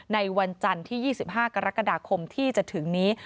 ในวันจันทร์ที่๒๕กรกฎาคมที่จะถึงนี้